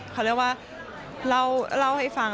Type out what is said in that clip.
เขาเรียกว่าเล่าให้ฟัง